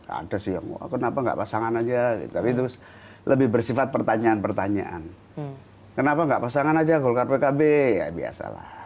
ada sih yang wah kenapa enggak pasangan aja tapi terus lebih bersifat pertanyaan pertanyaan kenapa enggak pasangan aja golkar pkb ya biasalah